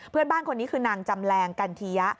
เพื่อนบ้านคนนี้คือนางจำแรงกันเทียะ